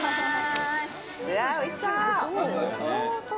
いや、おいしそう。